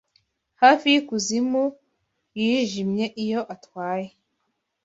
hafi yikuzimu yijimye iyo atwaye: